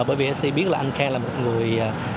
bởi vì nc biết là anh khang là một người